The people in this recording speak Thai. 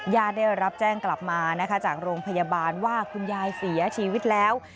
ญาติได้รับแจ้งกลับมานะคะจากโรงพยาบาลว่าคุณยายเสียชีวิตแล้ว